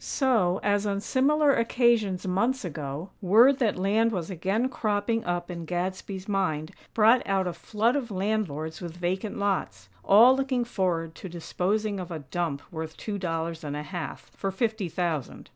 So, as on similar occasions months ago, word that land was again cropping up in Gadsby's mind, brought out a flood of landlords with vacant lots, all looking forward to disposing of a dump worth two dollars and a half, for fifty thousand.